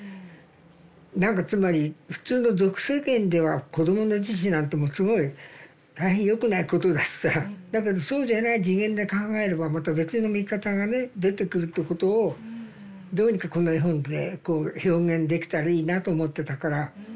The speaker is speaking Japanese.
何かつまり普通の俗世間では子供の自死なんてもうすごい大変よくないことだしさだけどそうじゃない次元で考えればまた別の見方がね出てくるってことをどうにかこの絵本でこう表現できたらいいなと思ってたから。